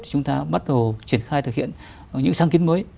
thì chúng ta bắt đầu triển khai thực hiện những sáng kiến